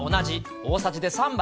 大さじで３杯。